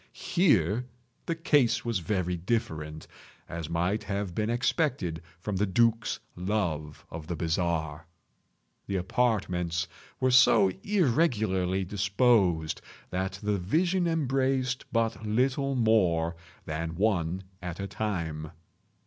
Here the case was very different; as might have been expected from the duke's love of the bizarre. The apartments were so irregularly disposed that the vision embraced but little more than one at a time.